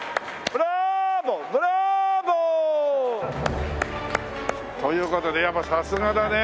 ブラーボ！という事でやっぱさすがだね。